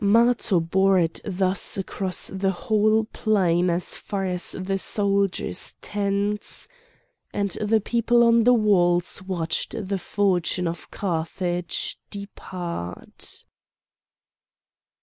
Matho bore it thus across the whole plain as far as the soldiers' tents, and the people on the walls watched the fortune of Carthage depart.